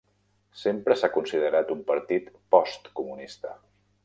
Sempre s'ha considerat un partit postcomunista.